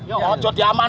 jangan diaman jangan diaman